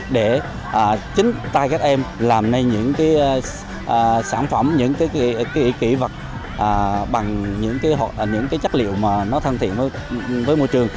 để chính tay các em làm nên những sản phẩm những kỹ vật bằng những chất liệu thân thiện với môi trường